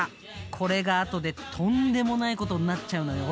これが後でとんでもないことになっちゃうのよ。